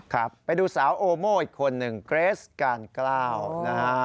ครับไปดูสาวโอโม่อีกคนหนึ่งเกรสการกล้านะฮะ